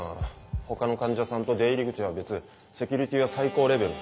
他の患者さんと出入り口は別セキュリティーは最高レベル。